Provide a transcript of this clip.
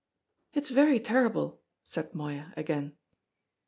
"It is very terrible," said Moya again.